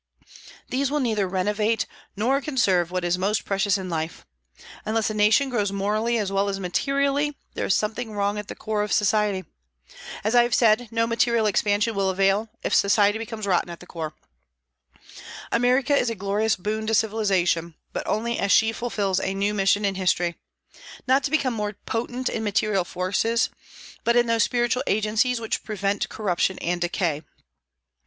These will neither renovate nor conserve what is most precious in life. Unless a nation grows morally as well as materially, there is something wrong at the core of society. As I have said, no material expansion will avail, if society becomes rotten at the core. America is a glorious boon to civilization, but only as she fulfils a new mission in history, not to become more potent in material forces, but in those spiritual agencies which prevent corruption and decay.